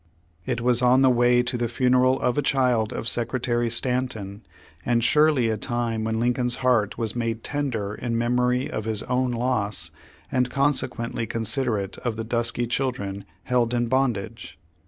It was on the way to the funeral of a child of Secretary Stanton, and surely a time when Lincoln's heart was made tender in memory of his own loss, and conse quently considerate of the dusky children held in bondage.